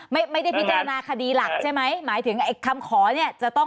ไม่ได้พิจารณาคดีหลักใช่ไหมหมายถึงไอ้คำขอเนี่ยจะต้อง